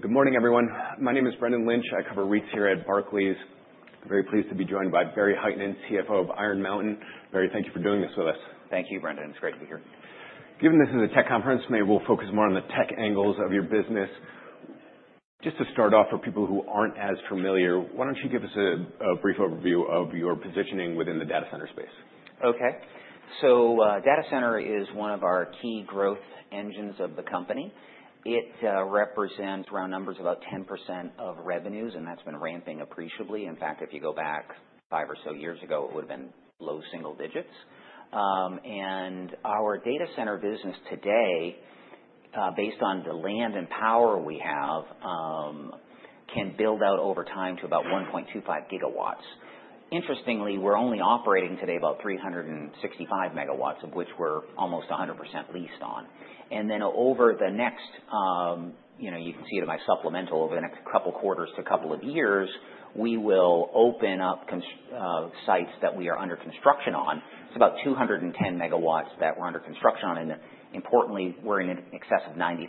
Good morning, everyone. My name is Brendan Lynch. I cover REITs here at Barclays. I'm very pleased to be joined by Barry Hytinen, CFO of Iron Mountain. Barry, thank you for doing this with us. Thank you, Brendan. It's great to be here. Given this is a tech conference, maybe we'll focus more on the tech angles of your business. Just to start off, for people who aren't as familiar, why don't you give us a brief overview of your positioning within the data center space? OK, so data center is one of our key growth engines of the company. It represents, round numbers, about 10% of revenues, and that's been ramping appreciably. In fact, if you go back five or so years ago, it would have been low single digits, and our data center business today, based on the land and power we have, can build out over time to about 1.25 gigawatts. Interestingly, we're only operating today about 365 megawatts, of which we're almost 100% leased on, and then over the next, you can see it in my supplemental, over the next couple of quarters to a couple of years, we will open up sites that we are under construction on. It's about 210 megawatts that we're under construction on, and importantly, we're in excess of 95%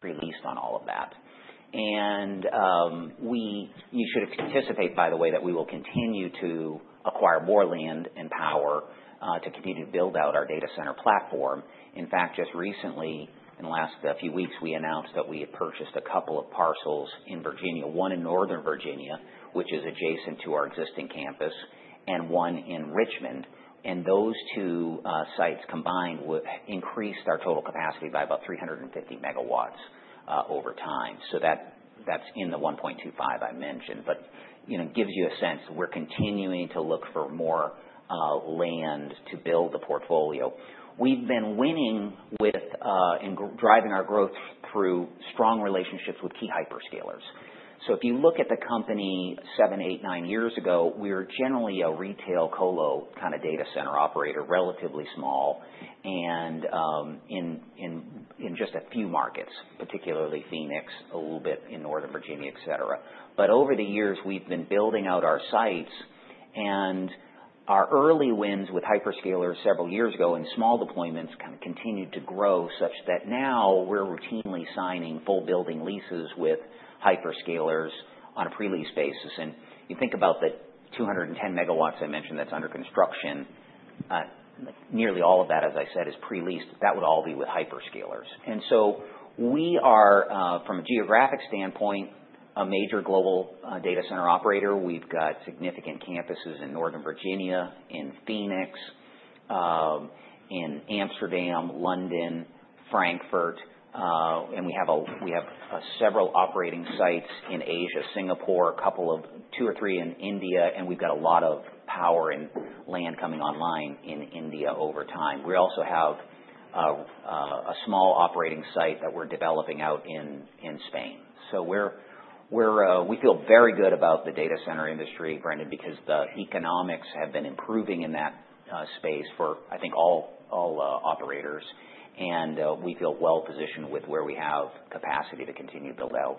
pre-leased on all of that. You should anticipate, by the way, that we will continue to acquire more land and power to continue to build out our data center platform. In fact, just recently, in the last few weeks, we announced that we had purchased a couple of parcels in Virginia, one in Northern Virginia, which is adjacent to our existing campus, and one in Richmond. Those two sites combined increased our total capacity by about 350 megawatts over time. That's in the 1.25 I mentioned, but it gives you a sense we're continuing to look for more land to build the portfolio. We've been winning with driving our growth through strong relationships with key hyperscalers. So if you look at the company seven, eight, nine years ago, we were generally a retail colo kind of data center operator, relatively small, and in just a few markets, particularly Phoenix, a little bit in Northern Virginia, et cetera. But over the years, we've been building out our sites, and our early wins with hyperscalers several years ago in small deployments kind of continued to grow such that now we're routinely signing full building leases with hyperscalers on a pre-lease basis. And you think about the 210 megawatts I mentioned that's under construction, nearly all of that, as I said, is pre-leased. That would all be with hyperscalers. And so we are, from a geographic standpoint, a major global data center operator. We've got significant campuses in Northern Virginia, in Phoenix, in Amsterdam, London, Frankfurt, and we have several operating sites in Asia, Singapore, a couple of two or three in India, and we've got a lot of power and land coming online in India over time. We also have a small operating site that we're developing out in Spain. So we feel very good about the data center industry, Brendan, because the economics have been improving in that space for, I think, all operators, and we feel well positioned with where we have capacity to continue to build out.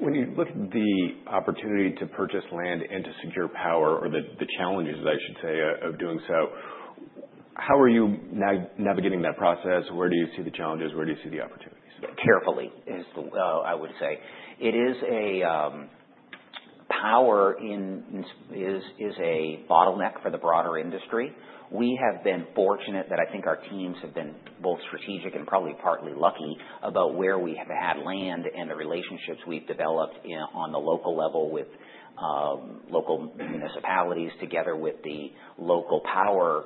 When you look at the opportunity to purchase land and to secure power, or the challenges, I should say, of doing so, how are you navigating that process? Where do you see the challenges? Where do you see the opportunities? Carefully, I would say. Power is a bottleneck for the broader industry. We have been fortunate that I think our teams have been both strategic and probably partly lucky about where we have had land and the relationships we've developed on the local level with local municipalities, together with the local power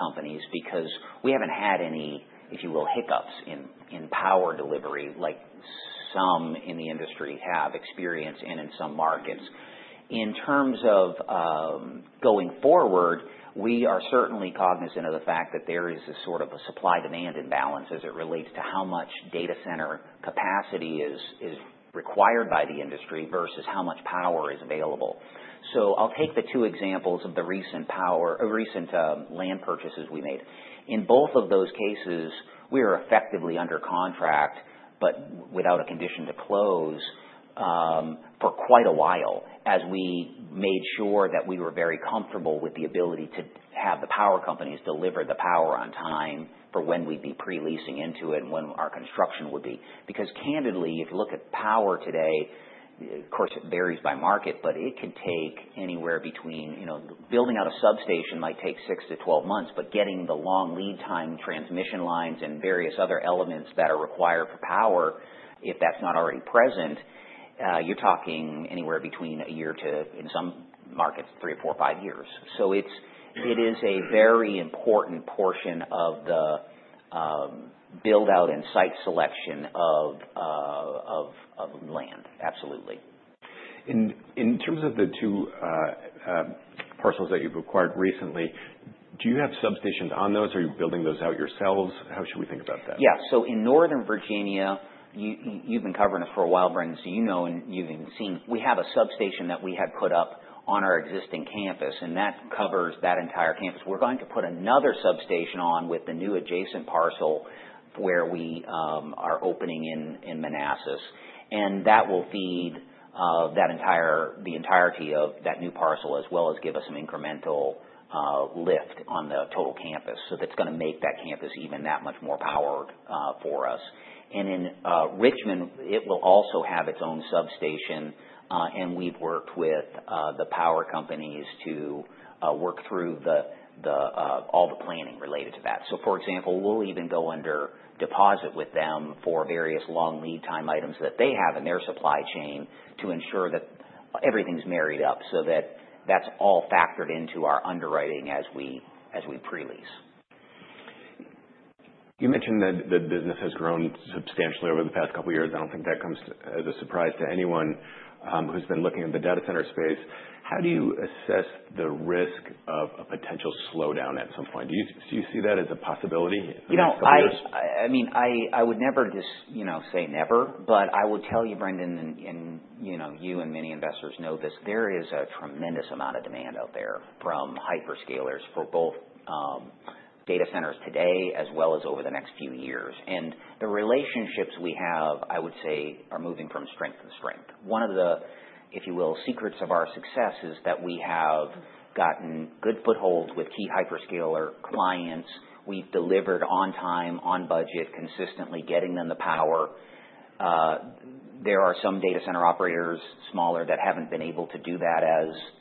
companies, because we haven't had any, if you will, hiccups in power delivery like some in the industry have experienced and in some markets. In terms of going forward, we are certainly cognizant of the fact that there is a sort of supply-demand imbalance as it relates to how much data center capacity is required by the industry versus how much power is available, so I'll take the two examples of the recent land purchases we made. In both of those cases, we were effectively under contract but without a condition to close for quite a while as we made sure that we were very comfortable with the ability to have the power companies deliver the power on time for when we'd be pre-leasing into it and when our construction would be. Because candidly, if you look at power today, of course, it varies by market, but it can take anywhere between building out a substation might take six to 12 months, but getting the long lead time transmission lines and various other elements that are required for power, if that's not already present, you're talking anywhere between a year to, in some markets, three or four or five years. So it is a very important portion of the build-out and site selection of land, absolutely. In terms of the two parcels that you've acquired recently, do you have substations on those? Are you building those out yourselves? How should we think about that? Yeah. So in Northern Virginia, you've been covering this for a while, Brendan, so you know and you've even seen, we have a substation that we have put up on our existing campus, and that covers that entire campus. We're going to put another substation on with the new adjacent parcel where we are opening in Manassas, and that will feed the entirety of that new parcel as well as give us some incremental lift on the total campus. So that's going to make that campus even that much more powered for us. And in Richmond, it will also have its own substation, and we've worked with the power companies to work through all the planning related to that. So, for example, we'll even go under deposit with them for various long lead time items that they have in their supply chain to ensure that everything's married up so that that's all factored into our underwriting as we pre-lease. You mentioned that the business has grown substantially over the past couple of years. I don't think that comes as a surprise to anyone who's been looking at the data center space. How do you assess the risk of a potential slowdown at some point? Do you see that as a possibility? I mean, I would never say never, but I will tell you, Brendan, and you and many investors know this, there is a tremendous amount of demand out there from hyperscalers for both data centers today as well as over the next few years, and the relationships we have, I would say, are moving from strength to strength. One of the, if you will, secrets of our success is that we have gotten good footholds with key hyperscaler clients. We've delivered on time, on budget, consistently getting them the power. There are some data center operators, smaller, that haven't been able to do that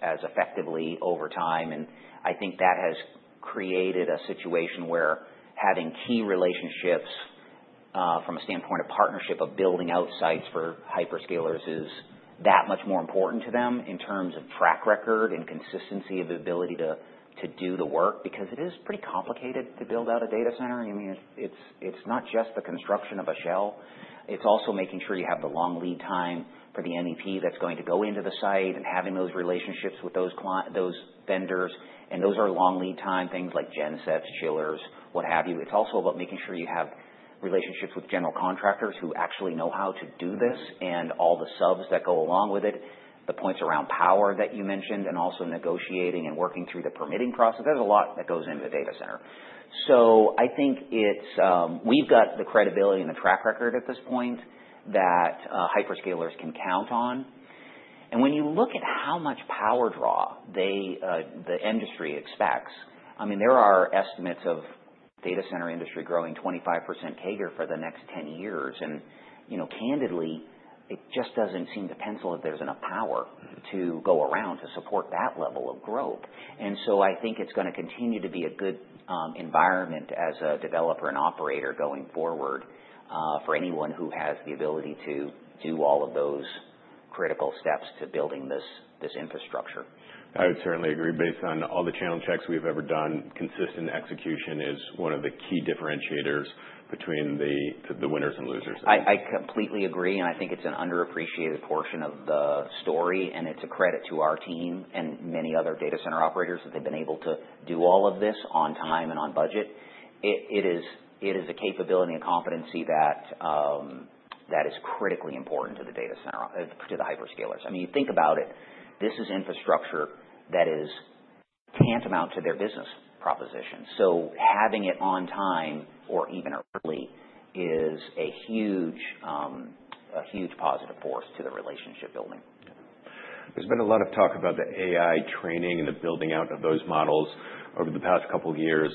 as effectively over time, and I think that has created a situation where having key relationships from a standpoint of partnership of building out sites for hyperscalers is that much more important to them in terms of track record and consistency of ability to do the work, because it is pretty complicated to build out a data center. I mean, it's not just the construction of a shell. It's also making sure you have the long lead time for the MEP that's going to go into the site and having those relationships with those vendors. And those are long lead time things like gensets, chillers, what have you. It's also about making sure you have relationships with general contractors who actually know how to do this and all the subs that go along with it, the points around power that you mentioned, and also negotiating and working through the permitting process. There's a lot that goes into the data center. So I think we've got the credibility and the track record at this point that hyperscalers can count on. And when you look at how much power draw the industry expects, I mean, there are estimates of data center industry growing 25% CAGR for the next 10 years. And candidly, it just doesn't seem to pencil that there's enough power to go around to support that level of growth. I think it's going to continue to be a good environment as a developer and operator going forward for anyone who has the ability to do all of those critical steps to building this infrastructure. I would certainly agree. Based on all the channel checks we've ever done, consistent execution is one of the key differentiators between the winners and losers. I completely agree, and I think it's an underappreciated portion of the story, and it's a credit to our team and many other data center operators that they've been able to do all of this on time and on budget. It is a capability and competency that is critically important to the data center, to the hyperscalers. I mean, you think about it, this is infrastructure that is tantamount to their business proposition. So having it on time or even early is a huge positive force to the relationship building. There's been a lot of talk about the AI training and the building out of those models over the past couple of years.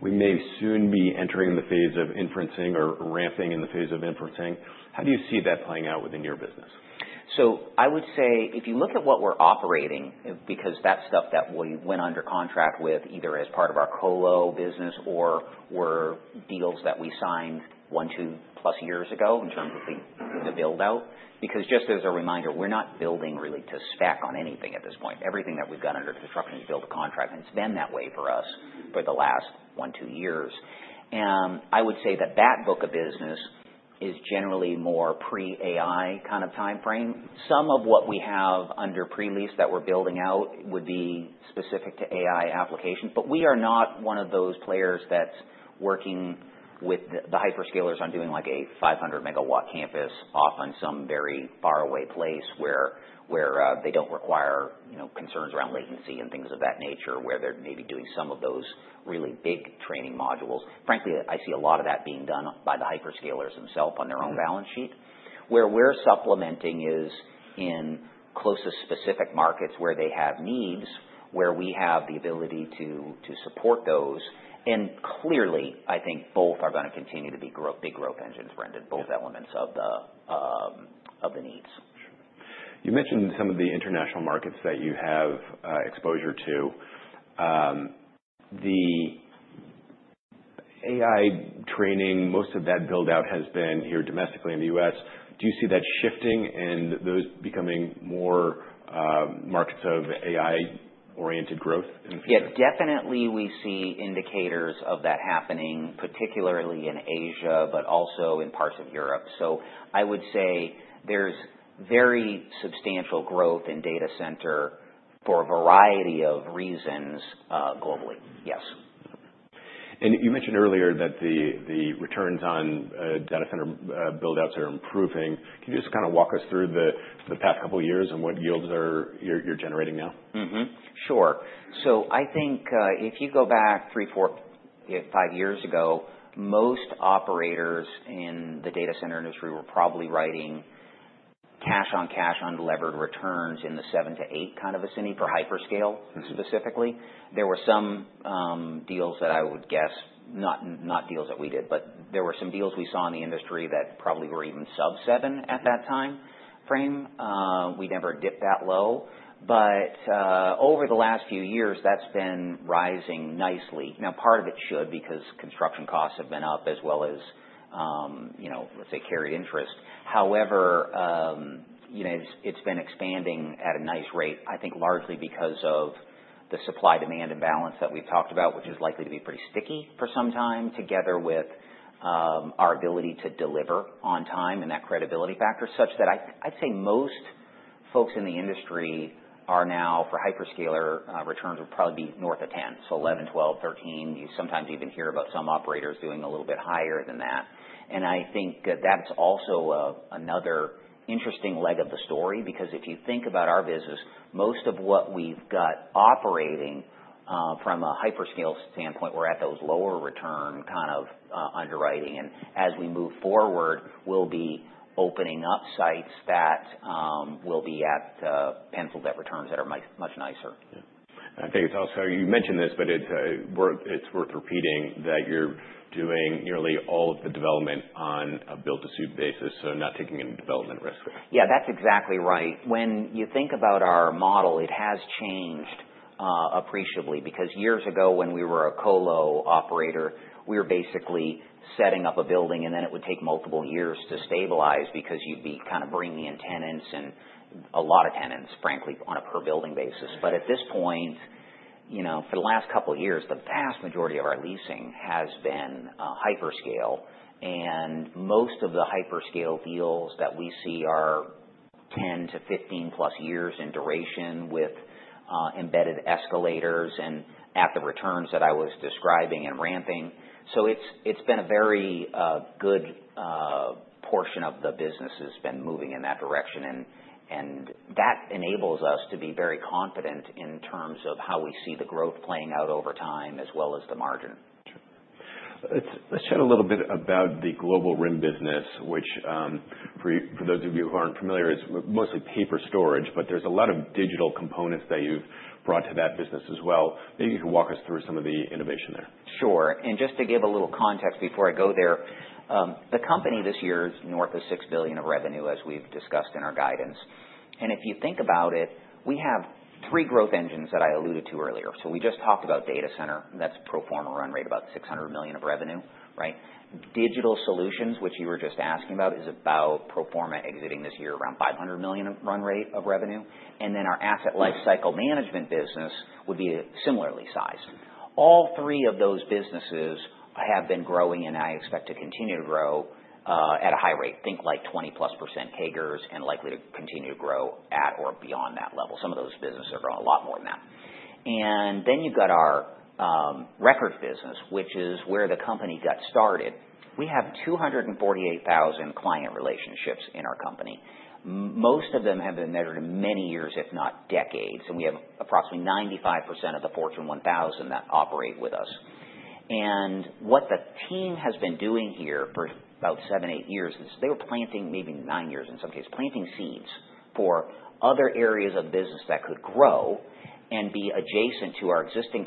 We may soon be entering the phase of inferencing or ramping in the phase of inferencing. How do you see that playing out within your business? So, I would say if you look at what we're operating, because that's stuff that we went under contract with either as part of our colo business or were deals that we signed one to two plus years ago in terms of the build-out, because just as a reminder, we're not building really to spec on anything at this point. Everything that we've got under construction is built to contract, and it's been that way for us for the last one to two years. And I would say that that book of business is generally more pre-AI kind of time frame. Some of what we have under pre-lease that we're building out would be specific to AI applications, but we are not one of those players that's working with the hyperscalers on doing like a 500 megawatt campus off on some very faraway place where they don't require concerns around latency and things of that nature, where they're maybe doing some of those really big training modules. Frankly, I see a lot of that being done by the hyperscalers themselves on their own balance sheet. Where we're supplementing is in closest specific markets where they have needs, where we have the ability to support those. And clearly, I think both are going to continue to be big growth engines, Brendan, both elements of the needs. You mentioned some of the international markets that you have exposure to. The AI training, most of that build-out has been here domestically in the U.S. Do you see that shifting and those becoming more markets of AI-oriented growth? Yes, definitely we see indicators of that happening, particularly in Asia, but also in parts of Europe, so I would say there's very substantial growth in data center for a variety of reasons globally, yes. You mentioned earlier that the returns on data center build-outs are improving. Can you just kind of walk us through the past couple of years and what yields you're generating now? Sure. So I think if you go back three, four, five years ago, most operators in the data center industry were probably writing cash-on-cash unlevered returns in the 7%-8% kind of a range for hyperscalers specifically. There were some deals that I would guess, not deals that we did, but there were some deals we saw in the industry that probably were even sub-7% at that time frame. We never dipped that low, but over the last few years, that's been rising nicely. Now, part of it should because construction costs have been up as well as, let's say, carried interest. However, it's been expanding at a nice rate, I think largely because of the supply-demand imbalance that we've talked about, which is likely to be pretty sticky for some time, together with our ability to deliver on time and that credibility factor such that I'd say most folks in the industry are now for hyperscaler returns would probably be north of 10, so 11, 12, 13. You sometimes even hear about some operators doing a little bit higher than that. And I think that's also another interesting leg of the story because if you think about our business, most of what we've got operating from a hyperscale standpoint, we're at those lower return kind of underwriting. And as we move forward, we'll be opening up sites that will be at penciled returns that are much nicer. I think it's also you mentioned this, but it's worth repeating that you're doing nearly all of the development on a build-to-suit basis, so not taking any development risk. Yeah, that's exactly right. When you think about our model, it has changed appreciably because years ago when we were a colo operator, we were basically setting up a building, and then it would take multiple years to stabilize because you'd be kind of bringing in tenants and a lot of tenants, frankly, on a per-building basis. But at this point, for the last couple of years, the vast majority of our leasing has been hyperscale, and most of the hyperscale deals that we see are 10-15-plus years in duration with embedded escalators and at the returns that I was describing and ramping. So it's been a very good portion of the business has been moving in that direction, and that enables us to be very confident in terms of how we see the growth playing out over time as well as the margin. Let's chat a little bit about the Global RIM business, which for those of you who aren't familiar, is mostly paper storage, but there's a lot of digital components that you've brought to that business as well. Maybe you can walk us through some of the innovation there. Sure. And just to give a little context before I go there, the company this year is north of $6 billion of revenue as we've discussed in our guidance, and if you think about it, we have three growth engines that I alluded to earlier, so we just talked about data center. That's pro forma run rate about $600 million of revenue. Digital solutions, which you were just asking about, is about pro forma exiting this year around $500 million run rate of revenue. And then our Asset Lifecycle Management business would be similarly sized. All three of those businesses have been growing and I expect to continue to grow at a high rate. Think like 20%+ CAGRs and likely to continue to grow at or beyond that level. Some of those businesses are growing a lot more than that. And then you've got our record business, which is where the company got started. We have 248,000 client relationships in our company. Most of them have been measured in many years, if not decades, and we have approximately 95% of the Fortune 1000 that operate with us. And what the team has been doing here for about seven, eight years is they were planting maybe nine years in some cases, planting seeds for other areas of business that could grow and be adjacent to our existing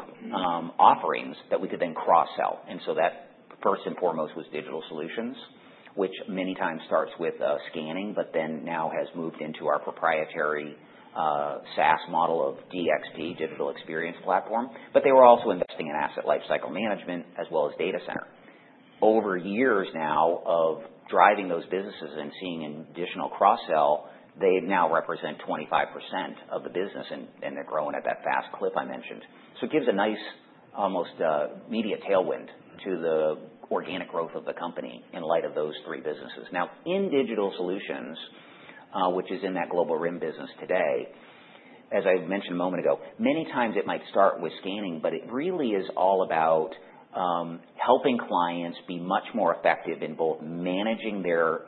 offerings that we could then cross-sell. And so that first and foremost was Digital Solutions, which many times starts with scanning, but then now has moved into our proprietary SaaS model of DXP, Digital Experience Platform. But they were also investing in Asset Lifecycle Management as well as data center. Over years now of driving those businesses and seeing an additional cross-sell, they now represent 25% of the business, and they're growing at that fast clip I mentioned, so it gives a nice almost media tailwind to the organic growth of the company in light of those three businesses. Now, in Digital Solutions, which is in that Global RIM business today, as I mentioned a moment ago, many times it might start with scanning, but it really is all about helping clients be much more effective in both managing their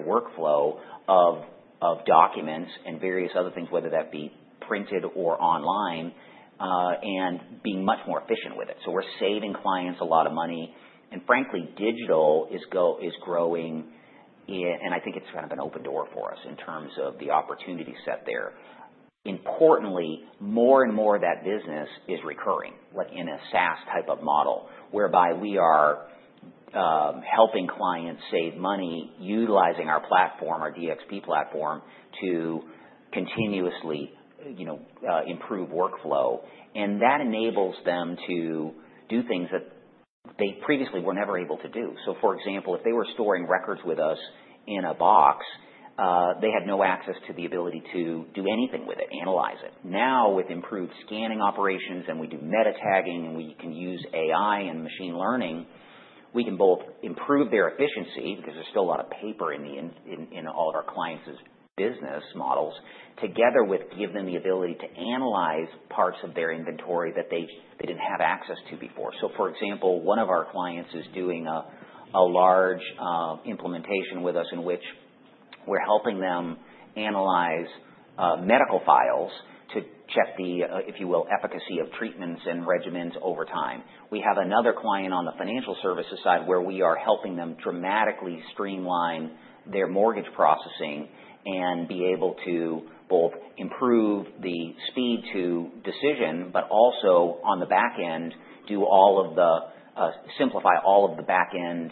workflow of documents and various other things, whether that be printed or online, and being much more efficient with it. So we're saving clients a lot of money, and frankly, Digital is growing, and I think it's kind of an open door for us in terms of the opportunity set there. Importantly, more and more of that business is recurring, like in a SaaS type of model, whereby we are helping clients save money utilizing our platform, our DXP platform, to continuously improve workflow, and that enables them to do things that they previously were never able to do, so for example, if they were storing records with us in a box, they had no access to the ability to do anything with it, analyze it. Now with improved scanning operations and we do meta-tagging and we can use AI and machine learning, we can both improve their efficiency because there's still a lot of paper in all of our clients' business models, together with give them the ability to analyze parts of their inventory that they didn't have access to before. For example, one of our clients is doing a large implementation with us in which we're helping them analyze medical files to check the, if you will, efficacy of treatments and regimens over time. We have another client on the financial services side where we are helping them dramatically streamline their mortgage processing and be able to both improve the speed to decision, but also on the back end, simplify all of the back end,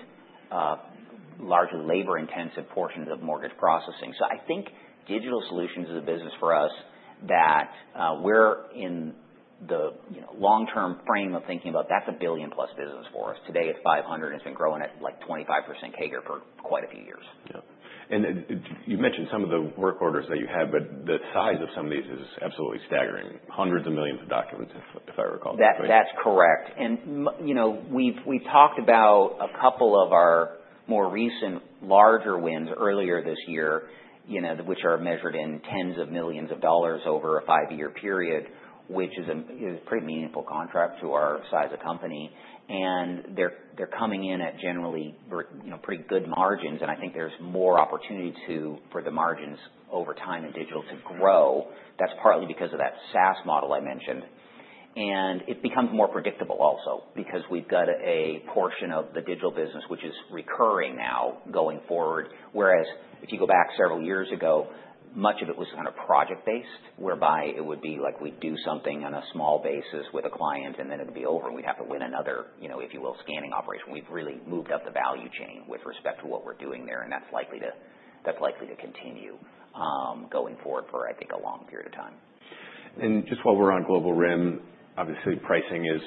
largely labor-intensive portions of mortgage processing. I think Digital Solutions is a business for us that we're in the long-term frame of thinking about that's a $1 billion-plus business for us. Today it's $500 million and it's been growing at like 25% CAGR for quite a few years. And you mentioned some of the work orders that you have, but the size of some of these is absolutely staggering. Hundreds of millions of documents, if I recall. That's correct, and we've talked about a couple of our more recent larger wins earlier this year, which are measured in tens of millions of dollars over a five-year period, which is a pretty meaningful contract to our size of company, and they're coming in at generally pretty good margins, and I think there's more opportunity for the margins over time in digital to grow. That's partly because of that SaaS model I mentioned, and it becomes more predictable also because we've got a portion of the digital business which is recurring now going forward, whereas if you go back several years ago, much of it was kind of project-based, whereby it would be like we do something on a small basis with a client and then it'd be over and we'd have to win another, if you will, scanning operation. We've really moved up the value chain with respect to what we're doing there, and that's likely to continue going forward for, I think, a long period of time. Just while we're on Global RIM, obviously pricing is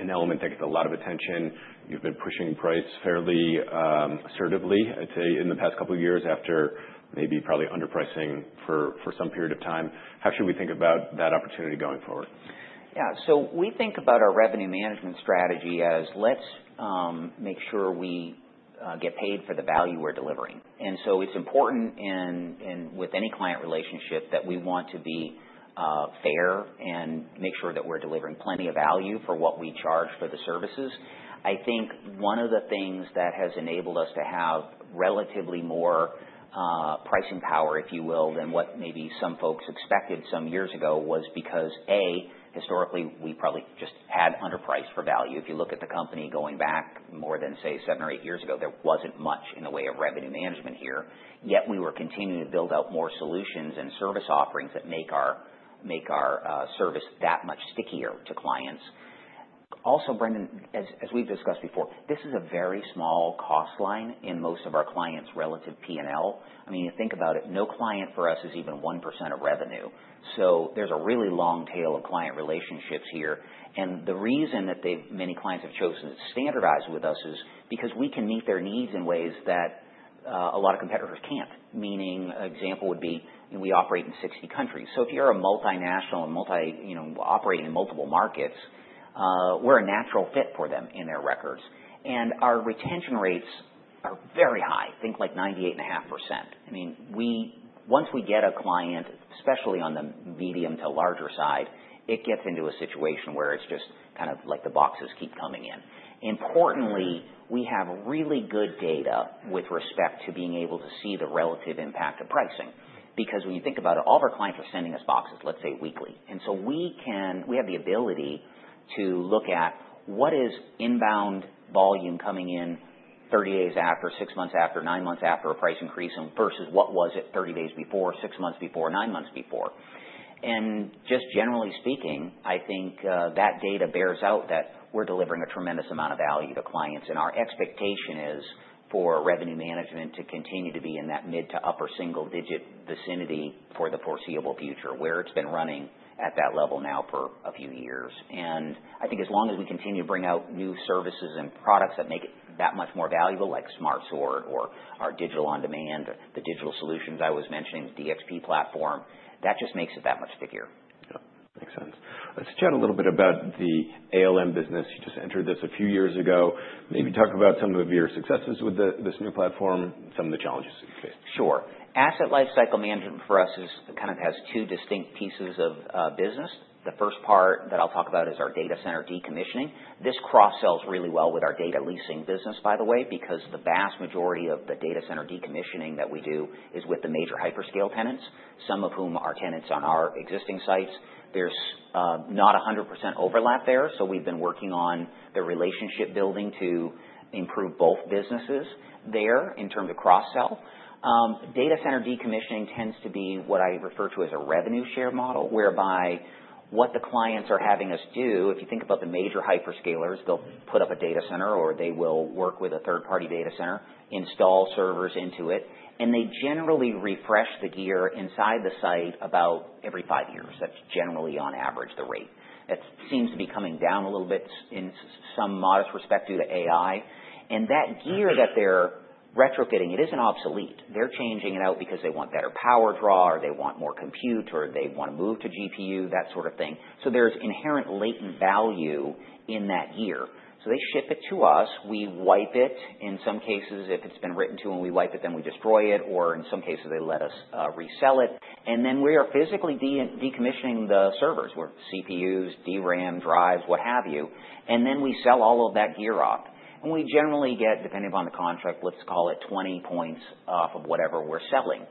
an element that gets a lot of attention. You've been pushing price fairly assertively, I'd say, in the past couple of years after maybe probably underpricing for some period of time. How should we think about that opportunity going forward? Yeah, so we think about our revenue management strategy as let's make sure we get paid for the value we're delivering. And so it's important with any client relationship that we want to be fair and make sure that we're delivering plenty of value for what we charge for the services. I think one of the things that has enabled us to have relatively more pricing power, if you will, than what maybe some folks expected some years ago was because, A, historically we probably just had underpriced for value. If you look at the company going back more than, say, seven or eight years ago, there wasn't much in the way of revenue management here. Yet we were continuing to build out more solutions and service offerings that make our service that much stickier to clients. Also, Brendan, as we've discussed before, this is a very small cost line in most of our clients' relative P&L. I mean, you think about it, no client for us is even 1% of revenue. So there's a really long tail of client relationships here. And the reason that many clients have chosen to standardize with us is because we can meet their needs in ways that a lot of competitors can't. Meaning, an example would be we operate in 60 countries. So if you're a multinational operating in multiple markets, we're a natural fit for them in their records. And our retention rates are very high. Think like 98.5%. I mean, once we get a client, especially on the medium to larger side, it gets into a situation where it's just kind of like the boxes keep coming in. Importantly, we have really good data with respect to being able to see the relative impact of pricing because when you think about it, all of our clients are sending us boxes, let's say, weekly, and so we have the ability to look at what is inbound volume coming in 30 days after, 6 months after, 9 months after a price increase versus what was it 30 days before, 6 months before, 9 months before, and just generally speaking, I think that data bears out that we're delivering a tremendous amount of value to clients, and our expectation is for revenue management to continue to be in that mid to upper single-digit vicinity for the foreseeable future, where it's been running at that level now for a few years. I think as long as we continue to bring out new services and products that make it that much more valuable, like Smart Sort or our Digital On Demand, the Digital Solutions I was mentioning, the DXP platform, that just makes it that much stickier. Makes sense. Let's chat a little bit about the ALM business. You just entered this a few years ago. Maybe talk about some of your successes with this new platform, some of the challenges that you've faced. Sure. Asset Lifecycle Management for us kind of has two distinct pieces of business. The first part that I'll talk about is our data center decommissioning. This cross-sells really well with our data leasing business, by the way, because the vast majority of the data center decommissioning that we do is with the major hyperscale tenants, some of whom are tenants on our existing sites. There's not 100% overlap there, so we've been working on the relationship building to improve both businesses there in terms of cross-sell. Data center decommissioning tends to be what I refer to as a revenue share model, whereby what the clients are having us do, if you think about the major hyperscalers, they'll put up a data center or they will work with a third-party data center, install servers into it, and they generally refresh the gear inside the site about every five years. That's generally on average the rate. It seems to be coming down a little bit in some modest respect due to AI. And that gear that they're retrofitting, it isn't obsolete. They're changing it out because they want better power draw or they want more compute or they want to move to GPU, that sort of thing. So there's inherent latent value in that gear. So they ship it to us. We wipe it. In some cases, if it's been written off, we wipe it, then we destroy it, or in some cases, they let us resell it. And then we are physically decommissioning the servers, CPUs, DRAM, drives, what have you. And then we sell all of that gear up. And we generally get, depending upon the contract, let's call it 20 points off of whatever we're selling.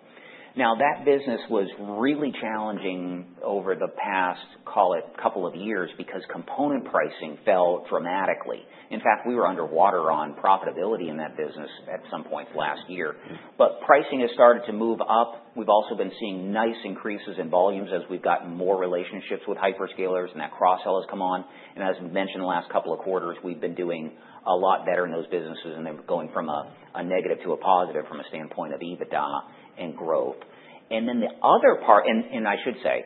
Now, that business was really challenging over the past, call it, couple of years because component pricing fell dramatically. In fact, we were underwater on profitability in that business at some points last year. But pricing has started to move up. We've also been seeing nice increases in volumes as we've gotten more relationships with hyperscalers and that cross-sell has come on. And as mentioned in the last couple of quarters, we've been doing a lot better in those businesses and they're going from a negative to a positive from a standpoint of EBITDA and growth. And then the other part, and I should say,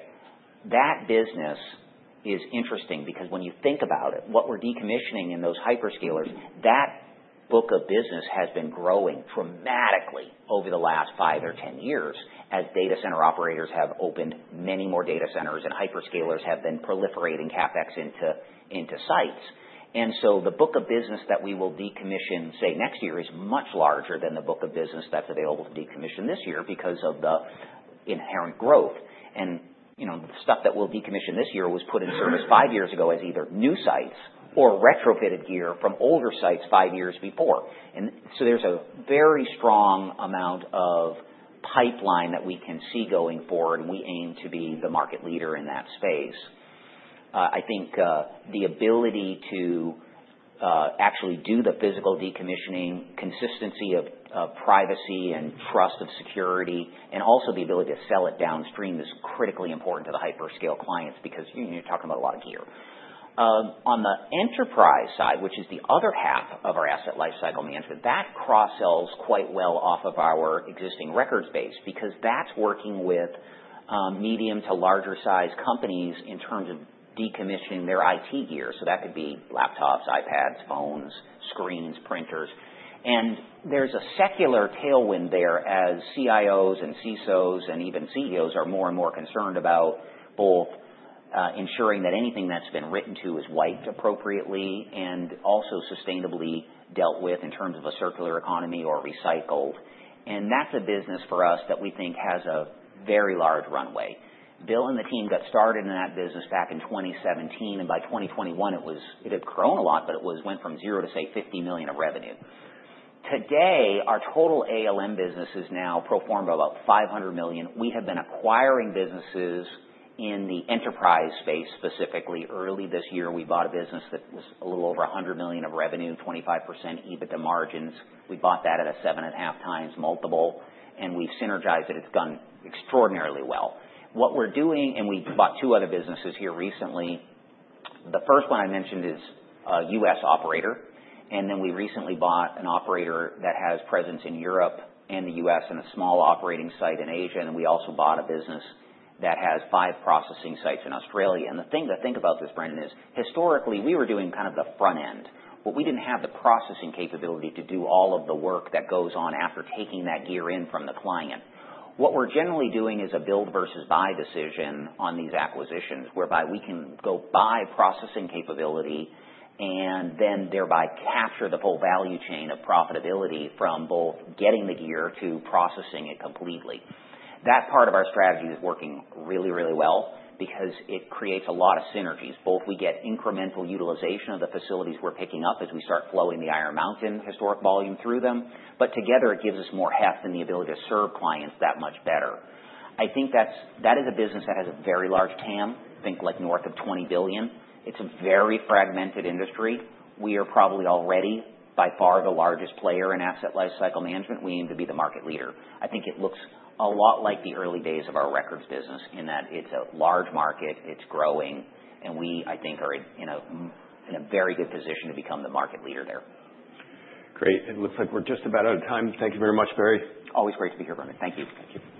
that business is interesting because when you think about it, what we're decommissioning in those hyperscalers, that book of business has been growing dramatically over the last five or 10 years as data center operators have opened many more data centers and hyperscalers have been proliferating CapEx into sites. And so the book of business that we will decommission, say, next year is much larger than the book of business that's available to decommission this year because of the inherent growth. And the stuff that we'll decommission this year was put in service five years ago as either new sites or retrofitted gear from older sites five years before. And so there's a very strong amount of pipeline that we can see going forward, and we aim to be the market leader in that space. I think the ability to actually do the physical decommissioning, consistency of privacy and trust of security, and also the ability to sell it downstream is critically important to the hyperscale clients because you're talking about a lot of gear. On the enterprise side, which is the other half of our Asset Lifecycle Management, that cross-sells quite well off of our existing records base because that's working with medium to larger size companies in terms of decommissioning their IT gear. So that could be laptops, iPads, phones, screens, printers. And there's a secular tailwind there as CIOs and CISOs and even CEOs are more and more concerned about both ensuring that anything that's been written to is wiped appropriately and also sustainably dealt with in terms of a circular economy or recycled. And that's a business for us that we think has a very large runway. Bill and the team got started in that business back in 2017, and by 2021, it had grown a lot, but it went from zero to, say, $50 million of revenue. Today, our total ALM business is now pro forma about $500 million. We have been acquiring businesses in the enterprise space specifically. Early this year, we bought a business that was a little over $100 million of revenue, 25% EBITDA margins. We bought that at a 7.5 times multiple, and we've synergized it. It's gone extraordinarily well. What we're doing, and we bought two other businesses here recently. The first one I mentioned is a U.S. operator, and then we recently bought an operator that has presence in Europe and the U.S. and a small operating site in Asia. And we also bought a business that has five processing sites in Australia. The thing to think about this, Brendan, is historically we were doing kind of the front end, but we didn't have the processing capability to do all of the work that goes on after taking that gear in from the client. What we're generally doing is a build versus buy decision on these acquisitions, whereby we can go buy processing capability and then thereby capture the full value chain of profitability from both getting the gear to processing it completely. That part of our strategy is working really, really well because it creates a lot of synergies. Both we get incremental utilization of the facilities we're picking up as we start flowing the Iron Mountain historic volume through them, but together it gives us more heft and the ability to serve clients that much better. I think that is a business that has a very large TAM, think like north of $20 billion. It's a very fragmented industry. We are probably already by far the largest player in Asset Lifecycle Management. We aim to be the market leader. I think it looks a lot like the early days of our records business in that it's a large market, it's growing, and we, I think, are in a very good position to become the market leader there. Great. It looks like we're just about out of time. Thank you very much, Barry. Always great to be here, Brendan. Thank you. Thank you.